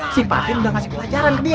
si fadil udah ngasih pelajaran deh